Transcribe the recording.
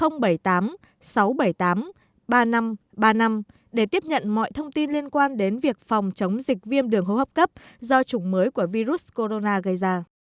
ba năm để tiếp nhận mọi thông tin liên quan đến việc phòng chống dịch viêm đường hô hấp cấp do chủng mới của virus corona gây ra